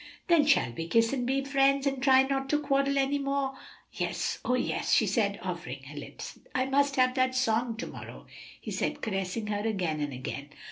"Then shall we kiss and be friends, and try not to quarrel any more?" "Yes; oh yes!" she said, offering her lips. "I must have that song to morrow," he said, caressing her again and again.